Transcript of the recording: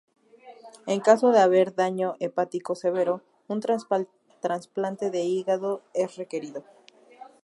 En caso de haber daño hepático severo, un trasplante de hígado es requerido.